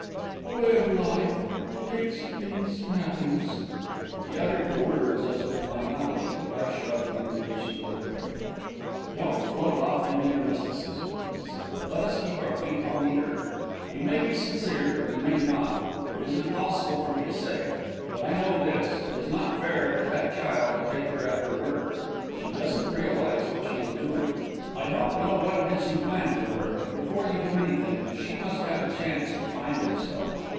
"The Way of life. It leads to peace and happiness." He uttered the words as with finality; but I shrugged them impatiently away. "Don't float off into your mysticism," I said. "Let us keep our feet on the earth. You may be sincere, or you may not it is impossible for me to say. But I know this it is not fair to that child to take her at her word. She doesn't realise what she is doing. I don't know what it is you plan for her, but before you do anything, she must have a chance to find herself.